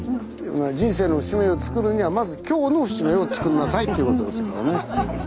人生の節目をつくるにはまず今日の節目をつくりなさいということですからね。